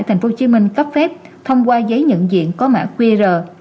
tp hcm cấp phép thông qua giấy nhận diện có mã qr